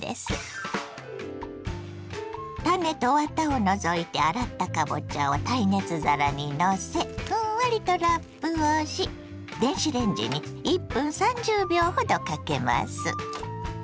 種とワタを除いて洗ったかぼちゃを耐熱皿にのせふんわりとラップをし電子レンジに１分３０秒ほどかけます。